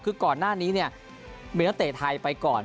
คือก่อนหน้านี้เนี่ยมีนักเตะไทยไปก่อน